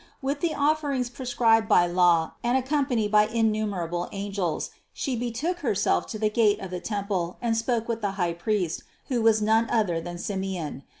With the offerings prescribed by law and accompanied by innumerable angels, she betook herself 278 THE CONCEPTION 279 to the gate of the temple and spoke with the high priest, who was none other than Simeon.